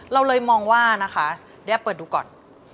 เราเลยมองว่านะคะเดี๋ยวเปิดดูก่อน